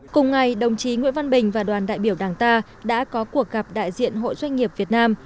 cùng ngày đồng chí nguyễn văn bình và đoàn đại biểu đảng ta đã có cuộc gặp đại diện hội doanh nghiệp việt nam